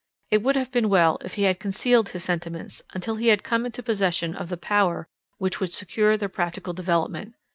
It would have been well if he had concealed his sentiments, until he had come into possession of the power which would secure their practical development.